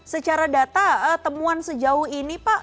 secara data temuan sejauh ini pak